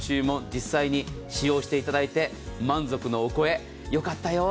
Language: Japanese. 実際に使用していただいて満足のお声よかったよ。